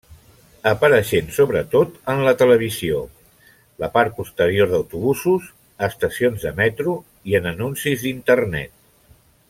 Apareixent sobretot en televisió, la part posterior d'autobusos, estacions de metro i en anuncis d'Internet.